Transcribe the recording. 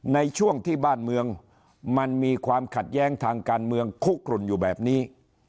ในช่วงที่บ้านเมืองมันมีความขัดแย้งทางการเมืองคุกกลุ่นอยู่แบบนี้